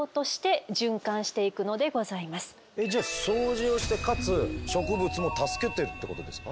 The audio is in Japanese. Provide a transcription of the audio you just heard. じゃあ掃除をしてかつ植物も助けてるってことですか？